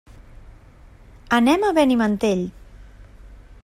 Anem a Benimantell.